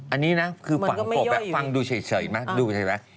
อันนี้นะฝังกรบดูเฉยดูเห็นไหม